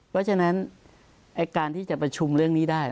เพราะฉะนั้นการที่จะประชุมเรื่องนี้ได้